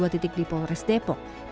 dua titik di polres depok